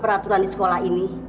peraturan di sekolah ini